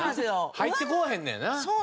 入ってこうへんねやな。